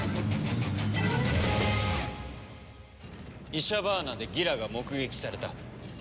イシャバーナでギラが目撃された。